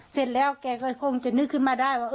เสร็จแล้วแกก็คงจะนึกขึ้นมาได้ว่า